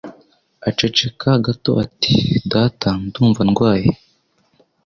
Aceceka gato ati: "Data, ndumva ndwaye."